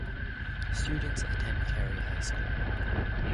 Students attend Carey High School.